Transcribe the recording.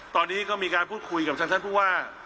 ตอนนี้ก็มีการพูดคุยกับทางท่านผู้ว่า